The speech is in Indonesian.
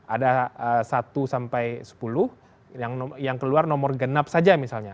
ada satu sampai sepuluh yang keluar nomor genap saja misalnya